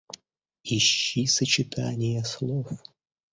Ищи сочетания слов.